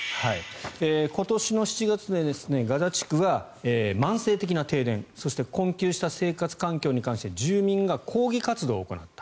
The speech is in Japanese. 今年の７月、ガザ地区は慢性的な停電そして困窮した生活環境に関して住民が抗議活動を行った。